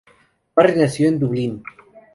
Barry nació en Dublín.